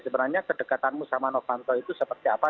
sebenarnya kedekatanmu sama novanto itu seperti apa